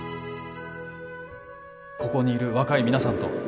ここにいる若い皆さんと